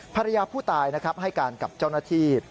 ภรรยาผู้ตายนะครับให้การกับเจ้าหน้าที่